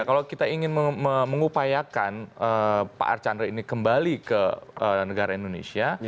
kalau kita ingin mengupayakan pak archandra ini kembali ke negara indonesia